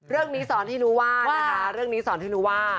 เรื่องนี้สอนให้รู้ว่านะคะ